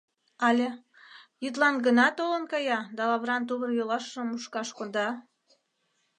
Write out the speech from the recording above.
Але... йӱдлан гына толын кая да лавран тувыр-йолашыжым мушкаш кода?